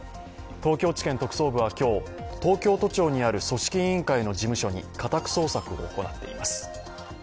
東京地検特捜部は今日東京都庁にある組織委員会の事務所に家宅捜索を行っています。